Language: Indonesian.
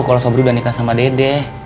kalau sobri udah nikah sama dede